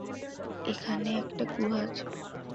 এখানে একটা গুহা আছে।